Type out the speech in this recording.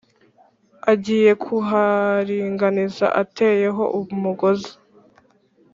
agiye kuharinganiza ateyeho umugozi,